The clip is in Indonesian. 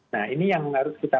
nah ini yang harus kita